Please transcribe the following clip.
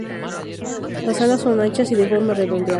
Las alas son anchas y de forma redondeada.